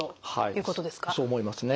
そう思いますね。